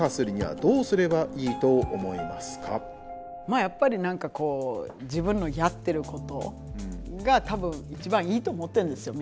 まあやっぱり何かこう自分のやってることが多分一番いいと思ってんですよ